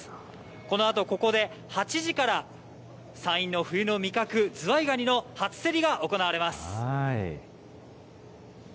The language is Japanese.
このあと、ここで８時から山陰の冬の味覚、ズワイガニの初競りが行われます。